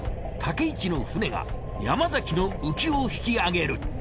武一の船が山崎の浮きを引き上げる。